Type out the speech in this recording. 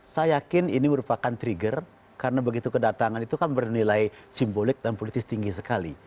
saya yakin ini merupakan trigger karena begitu kedatangan itu kan bernilai simbolik dan politis tinggi sekali